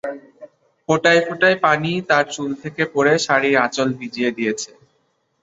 ফোঁটায় ফোঁটায় পানি তার চুল থেকে পড়ে শাড়ির আচল ভিজিয়ে দিয়েছে।